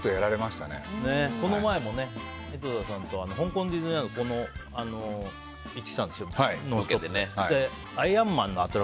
この前も、井戸田さんと香港ディズニーランドに行ってたんですよ。